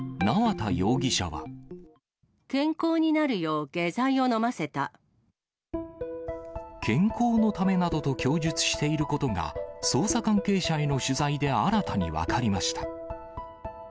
健康になるよう下剤を飲ませ健康のためなどと供述していることが、捜査関係者への取材で新たに分かりました。